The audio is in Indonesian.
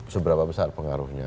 seberapa besar pengaruhnya